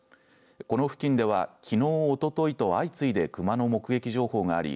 この付近ではきのう、おとといと相次いで熊の目撃情報があり